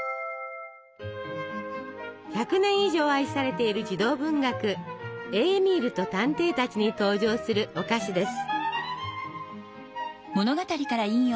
１００年以上愛されている児童文学「エーミールと探偵たち」に登場するお菓子です。